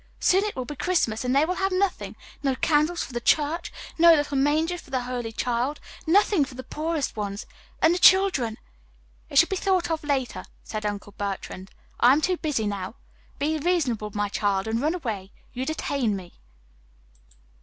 Soon it will be Christmas, and they will have nothing no candles for the church, no little manger for the holy child, nothing for the poorest ones. And the children " "It shall be thought of later," said Uncle Bertrand. "I am too busy now. Be reasonable, my child, and run away. You detain me."